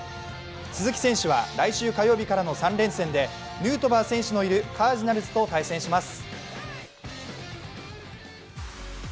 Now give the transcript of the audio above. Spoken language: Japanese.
鈴木選手は来週火曜日からの３連戦でヌートバー選手のいるカージナルスと対戦します。